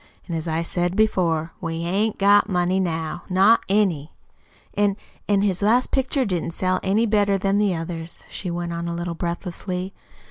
An' as I said before, we hain't got money now not any. "An' an' his last pictures didn't sell any better than the others," she went on a little breathlessly.